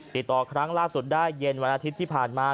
ติดต่อครั้งล่าสุดได้เย็นวันอาทิตย์ที่ผ่านมา